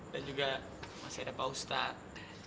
dan juga masih ada pak ustadz